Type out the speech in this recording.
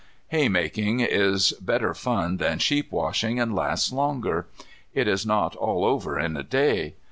Haymaking is better fun than sheep washing and lasts longer. It is not all over in a day.